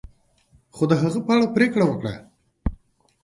خو د هغه په اړه پریکړه وکړه.